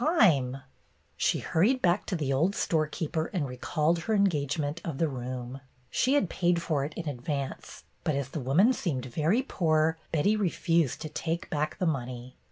'" YOUNG MR. MINTURNE 117 She hurried back to the old storekeeper and recalled her engagement of the room. She had paid for it in advance, but as the woman seemed very poor, Betty refused to take back the money.